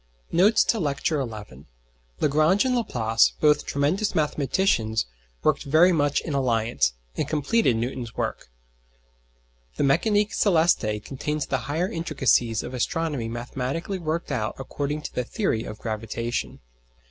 NOTES TO LECTURE XI Lagrange and Laplace, both tremendous mathematicians, worked very much in alliance, and completed Newton's work. The Mécanique Céleste contains the higher intricacies of astronomy mathematically worked out according to the theory of gravitation.